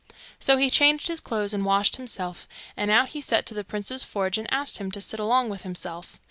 So he changed his clothes, and washed himself, and out he set to the prince's forge and asked him to sit along with himself.